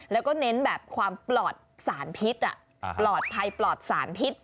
แล้วก็เน้นแบบความปลอดสารพิษปลอดภัยปลอดสารพิษ